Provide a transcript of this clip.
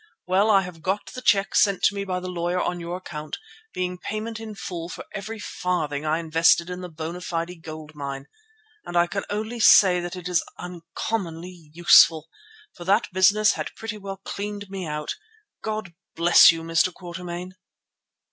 Well, I have got the cheque sent me by the lawyer on your account, being payment in full for every farthing I invested in the Bona Fide Gold Mine, and I can only say that it is uncommonly useful, for that business had pretty well cleaned me out. God bless you, Mr. Quatermain."